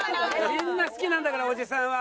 みんな好きなんだからオジさんは。